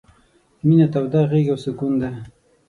— مينه توده غېږه او سکون دی...